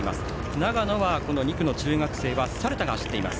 長野は２区の中学生猿田が走っています。